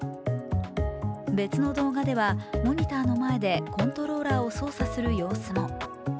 別の動画ではモニターの前でコントローラーを操作する様子も。